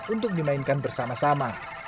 untuk dimainkan bersama sama